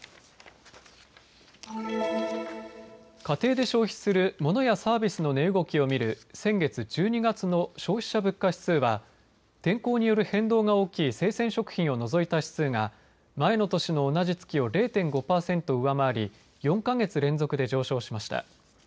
家庭で消費するモノやサービスの値動きを見る先月１２月の消費者物価指数は天候による変動が大きい生鮮食品を除いた指数が前の年の同じ月を０．５％上回り４か月連続で上昇しました。